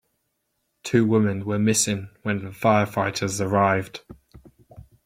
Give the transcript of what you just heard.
Two women were still missing when the firefighters arrived.